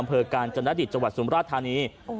อำเภอการจรรยาติจันทริกฮะจังหวัดสุมราธานีโอ้โห